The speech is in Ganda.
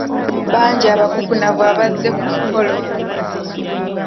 Bangi abakukunavu abazze ku mukolo.